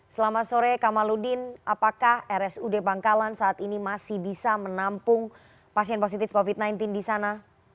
selamat sore kamaludin apakah rsud bangkalan saat ini masih bisa menampung pasien positif covid sembilan belas di sana